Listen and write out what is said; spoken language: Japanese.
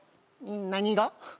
何が？